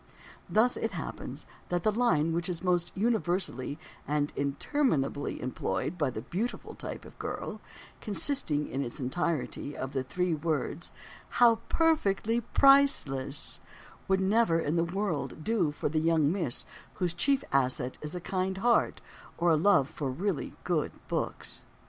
Thus it happens that the "Line" which is most universally and interminably employed by the "beautiful" type of girl (consisting, in its entirety, of the three words "How perfectly priceless") would never in the world do for the young miss whose chief asset is a kind heart or a love for really good books.